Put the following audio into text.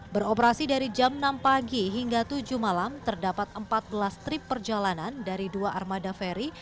beroperasi dari jam enam pagi hingga tujuh malam terdapat empat belas trip perjalanan dari dua armada ferry